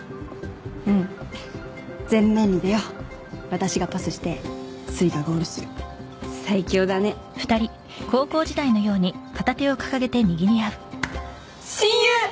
うん前面に出よう私がパスしてすいがゴールする最強だね親友！